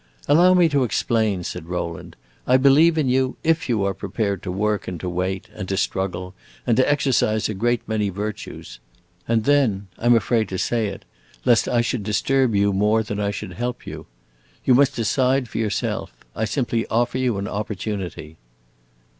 "Allow me to explain," said Rowland. "I believe in you, if you are prepared to work and to wait, and to struggle, and to exercise a great many virtues. And then, I 'm afraid to say it, lest I should disturb you more than I should help you. You must decide for yourself. I simply offer you an opportunity."